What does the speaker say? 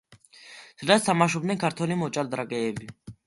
სადაც თამაშობდნენ ქართველი მოჭადრაკეები.